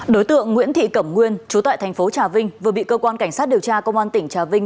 đối tượng nguyễn thị cẩm nguyên chú tại thành phố trà vinh vừa bị cơ quan cảnh sát điều tra công an tỉnh trà vinh